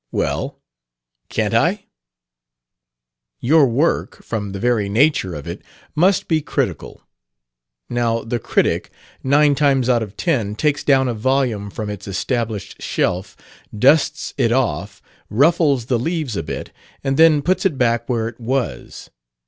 "Well, can't I?" "Your work, from the very nature of it, must be critical. Now the critic, nine times out of ten, takes down a volume from its established shelf, dusts it off, ruffles the leaves a bit, and then puts it back where it was.